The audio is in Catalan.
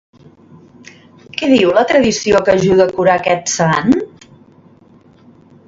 Què diu la tradició que ajuda a curar aquest sant?